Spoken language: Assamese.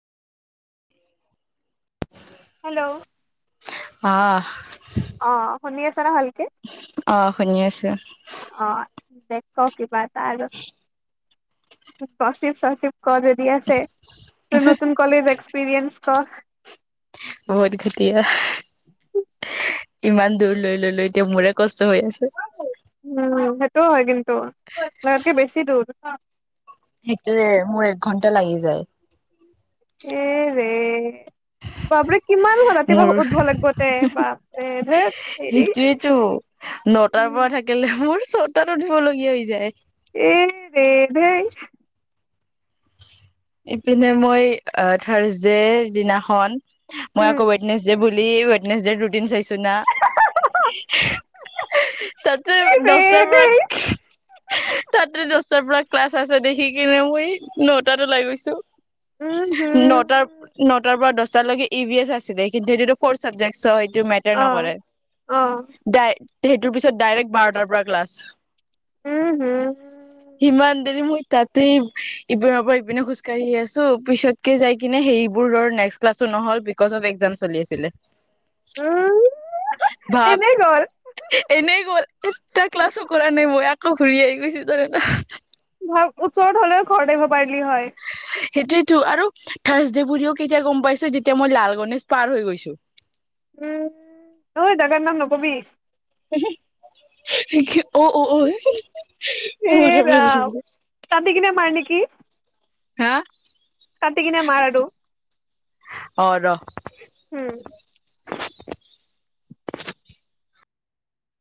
হেল্ল' অঁ। অ শুনি আছ না ভালকে। অঁ শুনি আছো। অ দে কি বাত আৰু অচিব চচিব ক দ দিয়ছে। নতুন কলেজ এক্স পিৰিয়ঞ্চস ক। মই তো তেতিয়াই ইমান দূৰ লৈ ললো এতিয়া মোৰে কছ হৈ আছে। উম হয় কিন্তু তোমাক কৈবেছি দূৰ। সেইটো যে মোৰ এক ঘণ্টা লাগি যায়। এৰে বাবৰি কিমান হ মোৰ ৰাতিপুৱাই উঠিব লাগিব ধেৎ তেৰি হেৰি সেইটোয়েতো উম। চতাত উঠিবলগীয়া হৈ যায়। এৰে ভাই। ইপিনে মই আহ থাৰছডেৰ দিনাখন। মই উম আকৌ বুল নেট চাই তা এ ৰে দছটাৰ পৰা ধেই তাতেতে দছটাৰ পৰা ক্লাছ আছে দেখি কিনে মই নটাত ওলাই গৈছো উম হুম নটাৰ নটাৰ পৰা দহ তাৰ লগে ই বি এছ আছিল কিন্তু সেইটোটো ফ চাবজেক টো মেটাৰ অ নকৰোই অ সেইটোৰ পিছত ডাইৰেক্ট বাৰটাৰ পৰা ক্লাছ উম হম সিমান দেৰি মই তাতেই ইপিনৰ পৰা ইপিনে খোজকাঢ়ি আছো পিছতকে যাই কিনে সেইবোৰ্্লাছো নহল বি অ এক চল আছিল উম ভাব এনেই গ'ল এনেই কৰ এটা ক্লাছো কৰা নব অ ঘূৰি আহি গৈছে ন ভ চৰত হলেও ঘৰিব পাৰিলি হয় সেইটোোৱতো আৰু থাৰছডে বুলিও কেতিয়া গম পাইছো যেতিয়া মই লাল গনেেশ পাৰ হৈ গৈছো উম ন ত গ নামন গবি [unintelligible] অ অ অ এ ম কি হা কটিগনেে মাৰাৰ অ উম [unintelligible]